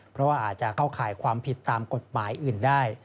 เพราะว่าอาจจะเข้าข่ายความผิดตามกฎหมายอื่นได้